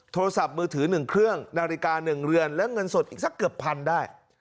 โทรศัพท์มือถือ๑เครื่องนาฬิกา๑เรือนและเงินสดอีกสักเกือบพันได้